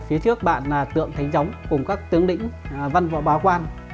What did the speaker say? phía trước bạn là tượng thánh giống cùng các tướng đỉnh văn võ bá quan